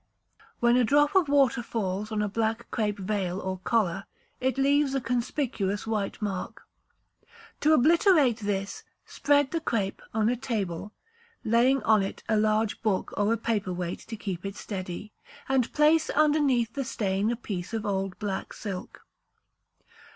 When a drop of water falls on a black crape veil or collar, it leaves a conspicuous white mark. To obliterate this, spread the crape on a table (laying on it a large book or a paper weight to keep it steady), and place underneath the stain a piece of old black silk.